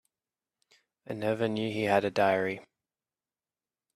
I never knew he had a diary.